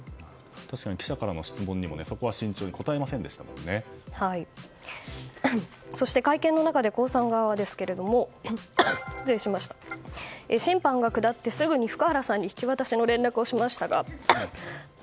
確かに記者からの質問にそこは慎重にそして会見の中で江さん側は審判が下ってすぐに福原さんに引き渡しの連絡をしましたが。